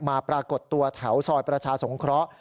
ปรากฏตัวแถวซอยประชาสงเคราะห์